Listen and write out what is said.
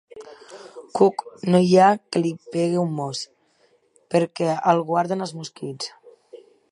Cuc no hi ha que li pegue un mos, perquè el guarden els mosquits.